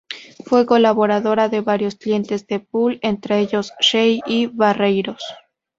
Fue colaboradora de varios clientes de Bull, entre ellos Shell y Barreiros.